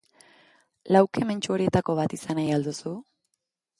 Lau kementsu horietako bat izan nahi al duzu?